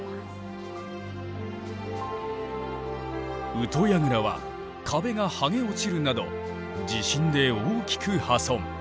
宇土櫓は壁がはげ落ちるなど地震で大きく破損。